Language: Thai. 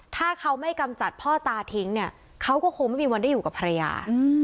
ถ้าเขาไม่กำจัดพ่อตาทิ้งเนี่ยเขาก็คงไม่มีวันได้อยู่กับภรรยา